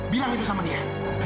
bilang itu sama dia